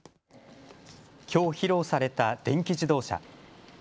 きょう披露された電気自動車。